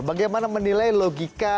bagaimana menilai logika